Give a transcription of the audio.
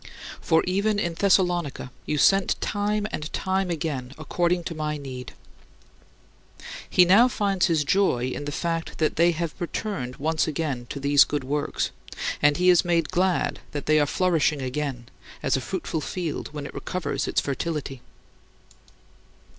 For even in Thessalonica you sent time and time again, according to my need." He now finds his joy in the fact that they have returned once again to these good works, and he is made glad that they are flourishing again, as a fruitful field when it recovers its fertility.